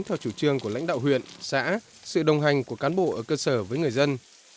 theo chủ trương của lãnh đạo huyện xã sự đồng hành của cán bộ ở cơ sở với người dân